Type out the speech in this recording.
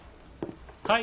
はい。